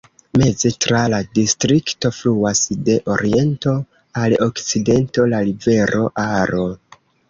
Meze tra la distrikto fluas de oriento al okcidento la rivero Aro.